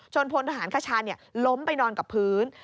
จนพลฐาหารกระชาล้มไปนอนกับพื้น